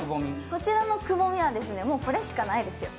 こちらのくぼみはですね、もう、これしかないですよ。